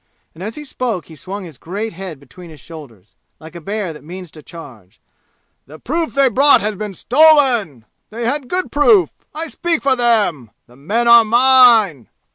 And as he spoke he swung his great head between his shoulders, like a bear that means to charge. "The proof they brought has been stolen! They had good proof! I speak for them! The men are mine!"